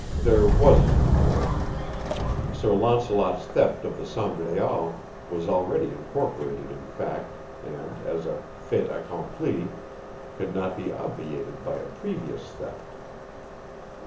There wasn't, of course. Sir Launcelot's theft of the Sangraal was already incorporated in fact, and, as a fait accompli, could not be obviated by a previous theft.